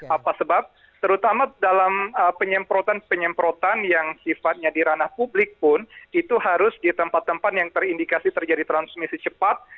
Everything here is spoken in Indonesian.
apa sebab terutama dalam penyemprotan penyemprotan yang sifatnya di ranah publik pun itu harus di tempat tempat yang terindikasi terjadi transmisi cepat